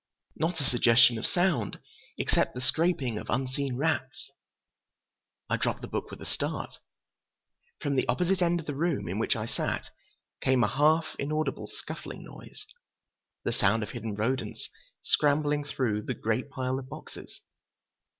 Not a suggestion of sound, except the scraping of unseen rats—" I dropped the book with a start. From the opposite end of the room in which I sat came a half inaudible scuffling noise—the sound of hidden rodents scrambling through the great pile of boxes.